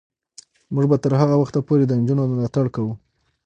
موږ به تر هغه وخته پورې د نجونو ملاتړ کوو.